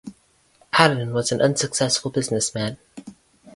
Alan was an unsuccessful businessman.